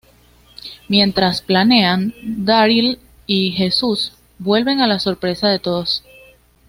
Mientras planean, Daryl y Jesús vuelven a la sorpresa de todos.